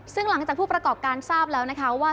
ซึ่งหลังจากผู้ประกอบการทราบแล้วนะคะว่า